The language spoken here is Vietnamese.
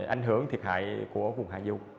ảnh hưởng thiệt hại của vùng hà du